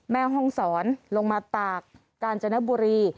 แม่งห้องสอนลงมาตากกาลจณบุรี